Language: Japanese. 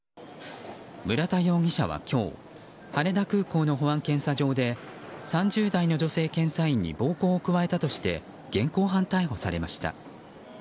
村田容疑者は今日、羽田空港の保安検査場で３０代の女性検査員に暴行を加えたとして現行犯逮捕されました。